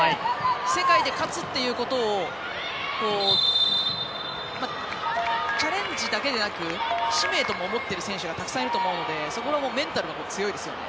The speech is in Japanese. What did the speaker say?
世界で勝つっていうことをチャレンジだけでなく使命と思ってる選手がたくさんいると思うのでそこはメンタルが強いですよね。